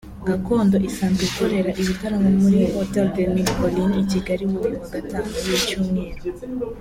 Gakondo isanzwe ikorera ibitaramo kuri Hotel de Mille Collines i Kigali buri wa Gatanu w’Icyumweru